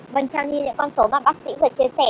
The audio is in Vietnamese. vâng theo như những con số mà bác sĩ vừa chia sẻ